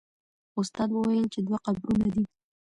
استاد وویل چې دوه قبرونه دي.